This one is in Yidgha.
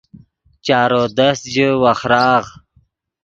چارو دست ژے وخراغ